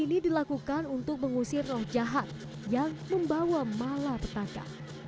hal ini dilakukan untuk mengusir roh jahat yang membawa malapetaka